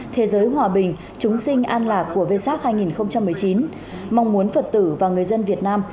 thế giới hòa bình chúng sinh an lạc của vê sắc hai nghìn một mươi chín mong muốn phật tử và người dân việt nam